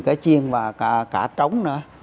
một mươi cái chiên và cả trống nữa